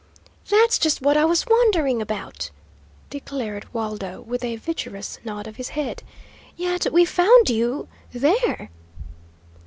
"That's just what I was wondering about," declared Waldo, with a vigorous nod of his head. "Yet we found you there?"